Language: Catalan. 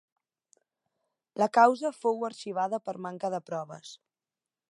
La causa fou arxivada per manca de proves.